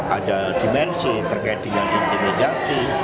ada dimensi terkait dengan intimidasi